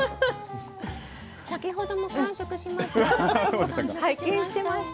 先ほども完食しました。